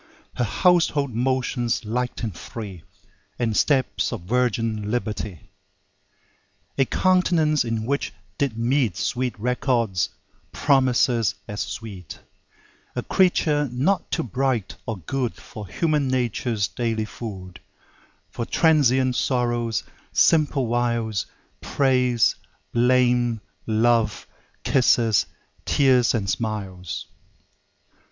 Her household motions light and free, And steps of virgin liberty; A countenance in which did meet Sweet records, promises as sweet; A Creature not too bright or good For human nature's daily food; For transient sorrows, simple wiles, Praise, blame, love, kisses, tears and smiles.